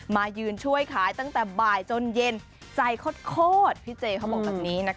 มายืนช่วยขายตั้งแต่บ่ายจนเย็นใจโคตรพี่เจเขาบอกแบบนี้นะคะ